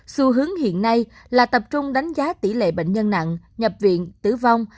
xu hướng hiện nay là tập trung đánh giá tỷ lệ bệnh nhân nặng nhập viện tử vong